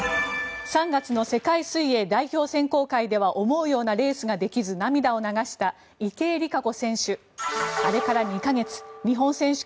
３月の世界水泳代表選考会では思うようなレースができず涙を流した池江璃花子選手。